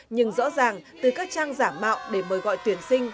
nhưng rõ ràng từ các trang giả mạo để mời gọi tuyển sinh